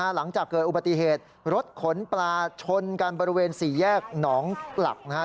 หลังจากเกิดอุบัติเหตุรถขนปลาชนกันบริเวณสี่แยกหนองหลักนะฮะ